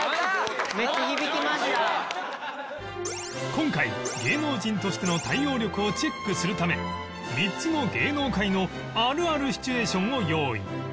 今回芸能人としての対応力をチェックするため３つの芸能界のあるあるシチュエーションを用意